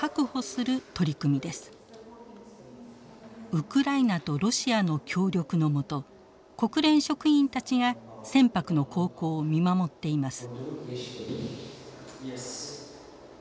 ウクライナとロシアの協力の下国連職員たちが船舶の航行を見守っています。